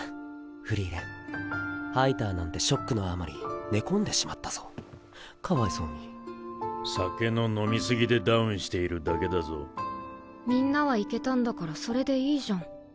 フリーレンハイターなんてショックのあまり寝込んでしまったぞかわいそうに酒の飲み過ぎでダウンしてみんなは行けたんだからそれでいいじゃん